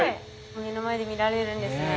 目の前で見られるんですね。